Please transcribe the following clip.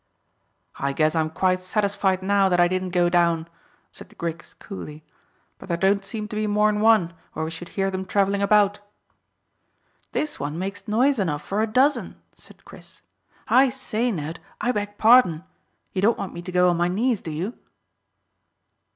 "I guess I'm quite satisfied now that I didn't go down," said Griggs coolly; "but there don't seem to be more'n one, or we should hear them travelling about." "This one makes noise enough for a dozen," said Chris. "I say, Ned, I beg pardon. You don't want me to go on my knees, do you?"